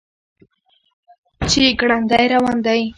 چې ګړندی روان دی.